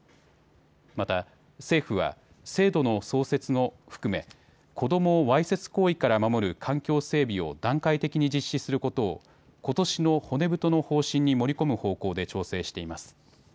また、政府は制度の創設も含め子どもをわいせつ行為から守る環境整備を段階的に実施することをことしの骨太の方針に盛り込む方向で調整しています。